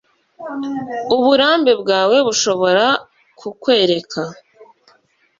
uburambe bwawe bushobora kukwereka